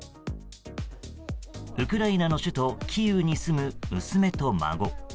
ウクライナの首都キーウに住む娘と孫。